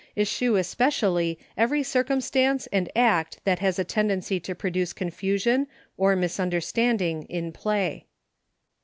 Eschew especially every circumstance and act that has a tendency to produce confusion or misunderstanding in play.